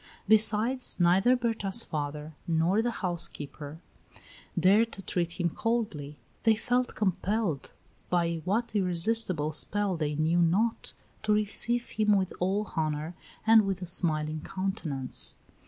Besides, neither Berta's father nor the housekeeper dared to treat him coldly; they felt compelled, by what irresistible spell they knew not, to receive him with all honor and with a smiling countenance.